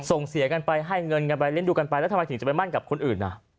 ส่งเสียกันไปให้เงินกันไปเล่นดูกันไปแล้วทำไมถึงจะไปมั่นกับคนอื่นอ่ะ